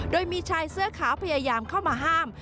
โดยมีชายเสื้อขาวพยายามเข้ามาห้าม